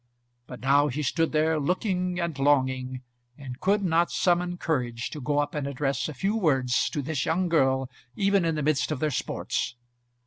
But now he stood there looking and longing, and could not summon courage to go up and address a few words to this young girl even in the midst of their sports.